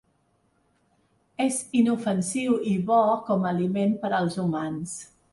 És inofensiu i bo com a aliment per als humans.